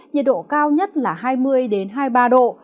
nhiệt độ cao nhất là hai mươi hai mươi ba độ